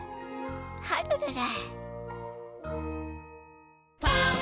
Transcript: ホルルル。